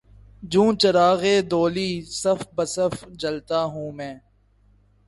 جوں چراغانِ دوالی صف بہ صف جلتا ہوں میں